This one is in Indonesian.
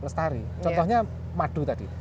lestari contohnya madu tadi